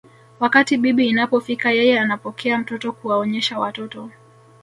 Wakati bibi inapofika yeye anapokea mtoto kuwaonyesha watoto